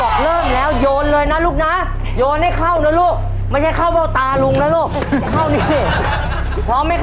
เริ่มแล้วโยนเลยนะลูกนะโยนให้เข้านะลูกไม่ใช่เข้าเว้าตาลุงนะลูกเข้านี่พร้อมไหมคะ